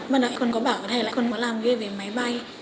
bắt nãy con có bảo thầy là con muốn làm việc về máy bay